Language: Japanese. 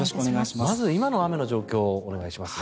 まず今の雨の状況をお願いします。